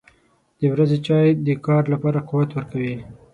• د ورځې چای د کار لپاره قوت ورکوي.